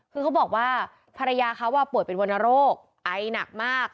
คือเขาบอกว่าภรรยาเขาป่วยเป็นวรรณโรคไอหนักมาก